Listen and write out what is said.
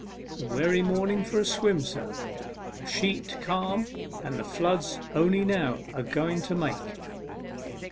The werry morning for a swim, sir. A sheet calm, and the flood's only now agoing to make."